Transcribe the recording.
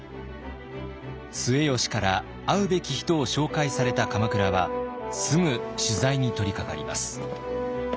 末吉から会うべき人を紹介された鎌倉はすぐ取材に取りかかります。